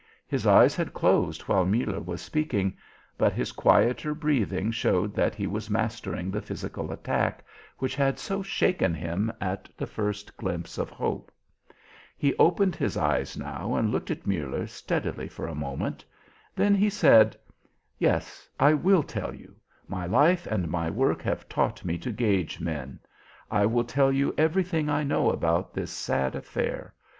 His eyes had closed while Muller was speaking, but his quieter breathing showed that he was mastering the physical attack which had so shaken him at the first glimpse of hope. He opened his eyes now and looked at Muller steadily for a moment. Then he said: "Yes, I will tell you: my life and my work have taught me to gauge men. I will tell you everything I know about this sad affair.